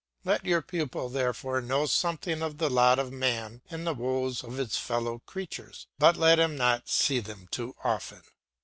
Let your pupil therefore know something of the lot of man and the woes of his fellow creatures, but let him not see them too often.